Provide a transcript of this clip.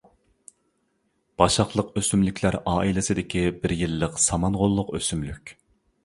باشاقلىق ئۆسۈملۈكلەر ئائىلىسىدىكى بىر يىللىق سامان غوللۇق ئۆسۈملۈك.